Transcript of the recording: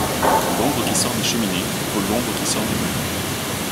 L’ombre qui sort des cheminées Vaut l’ombre qui sort des volcans.